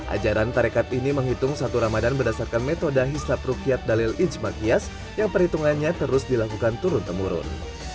ajaran tarekat ini menghitung satu ramadan berdasarkan metode hisap rukyat dalil ijmaqias yang perhitungannya terus dilakukan turun temurun